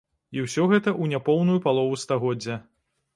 І ўсё гэта ў няпоўную палову стагоддзя.